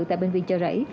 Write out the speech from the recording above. tại bệnh viện chờ rẫy